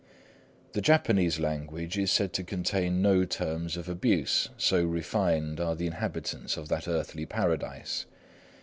The Japanese language is said to contain no terms of abuse, so refined are the inhabitants of that earthly paradise.